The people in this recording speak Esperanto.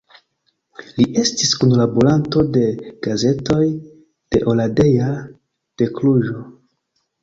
Li estis kunlaboranto de gazetoj de Oradea, de Kluĵo.